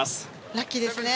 ラッキーですね。